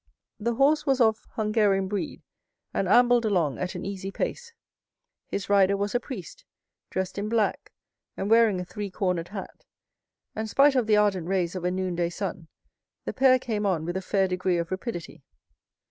The horse was of Hungarian breed, and ambled along at an easy pace. His rider was a priest, dressed in black, and wearing a three cornered hat; and, spite of the ardent rays of a noonday sun, the pair came on with a fair degree of rapidity.